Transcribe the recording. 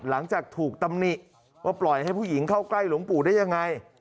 หลังจากถูกตำหนิว่าปล่อยให้ผู้หญิงเข้าใกล้หลวงปู่ได้ยังไง